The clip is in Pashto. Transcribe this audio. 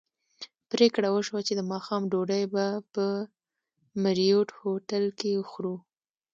پرېکړه وشوه چې د ماښام ډوډۍ به په مریوټ هوټل کې خورو.